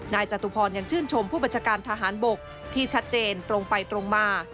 จตุพรยังชื่นชมผู้บัญชาการทหารบกที่ชัดเจนตรงไปตรงมา